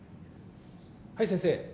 はい先生！